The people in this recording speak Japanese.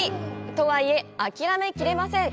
とはいえ、諦めきれません！